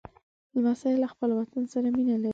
لمسی له خپل وطن سره مینه لري.